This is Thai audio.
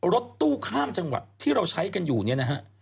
รถตู้ข้ามจังหวัดที่เราใช้กันอยู่เนี่ยนะฮะ